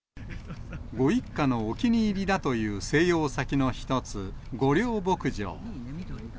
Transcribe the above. ご一家のお気に入りだという静養先の一つ、御料牧場。